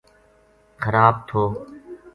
خراب تھو